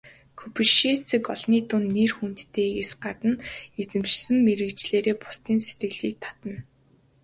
Кубицчек олны дунд нэр хүндтэйгээс гадна эзэмшсэн мэргэжлээрээ бусдын сэтгэлийг татна.